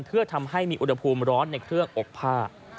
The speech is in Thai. เพื่อทำให้มีอุณหภูมิร้อนในเครื่องอบผ้า